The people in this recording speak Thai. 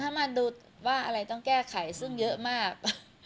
ถ้ามาดูว่าอะไรต้องแก้ไขซึ่งเยอะมาก